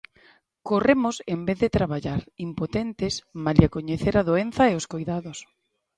Corremos en vez de traballar, impotentes, malia coñecer a doenza e os coidados.